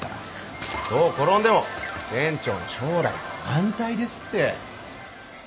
どう転んでも店長の将来は安泰ですって